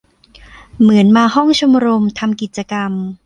เหมือนมาห้องชมรม ทำกิจกรรม